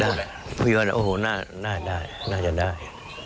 ได้พี่บอกว่าโอ้โหน่าจะได้